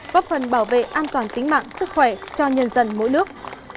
góp phần bảo vệ an toàn tính mạng sức khỏe cho nhân dân mỗi nước